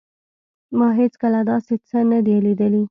ما هیڅکله داسې څه نه دي لیدلي